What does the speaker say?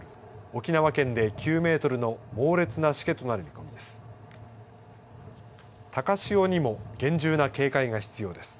沖縄県で９メートルの猛烈なしけとなる見込みです。